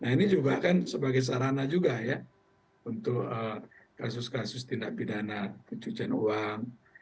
nah ini juga kan sebagai sarana juga ya untuk kasus kasus tindak pidana pencucian uang